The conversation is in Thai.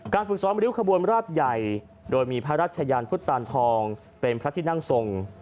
ฝึกซ้อมริ้วขบวนราบใหญ่โดยมีพระราชยานพุทธตานทองเป็นพระที่นั่งทรง